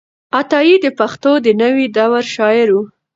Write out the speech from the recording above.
عطايي د پښتو د نوې دور شاعر و.